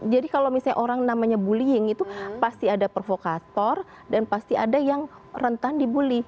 jadi kalau misalnya orang namanya bullying itu pasti ada provokator dan pasti ada yang rentan dibully